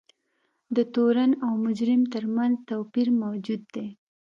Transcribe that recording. د تورن او مجرم ترمنځ توپیر موجود دی.